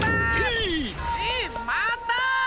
えっまた⁉